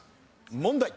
問題。